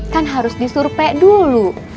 kan harus disurpek dulu